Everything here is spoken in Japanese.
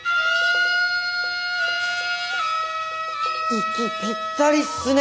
息ぴったりっすね。